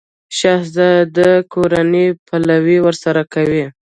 د شهزاده کورنۍ یې پلوی ورسره کوي.